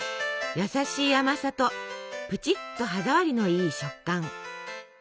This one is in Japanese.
やさしい甘さとプチッと歯触りのいい食感。